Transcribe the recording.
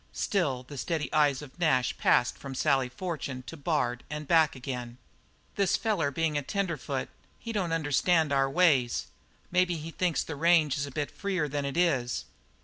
Still the steady eyes of Nash passed from Sally Fortune to Bard and back again. "This feller bein' a tenderfoot, he don't understand our ways; maybe he thinks the range is a bit freer than it is."